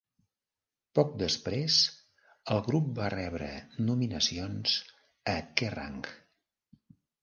Poc després, el grup va rebre nominacions a "Kerrang!".